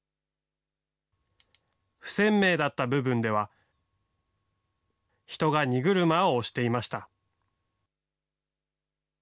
不鮮明だった部分では、人が荷車を押していました。